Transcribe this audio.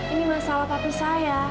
ini masalah papi saya